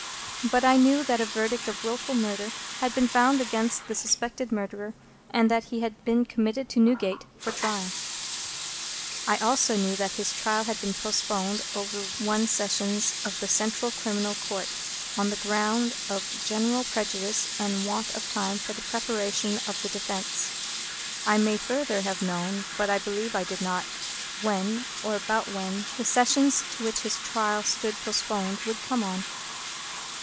But I knew that a verdict of Wilful Murder had been found against the suspected murderer, and that he had been committed to Newgate for trial. I also knew that his trial had been postponed over one Sessions of the Central Criminal Court, on the ground of general prejudice and want of time for the preparation of the defence. I may further have known, but I believe I did not, when, or about when, the Sessions to which his trial stood postponed would come on.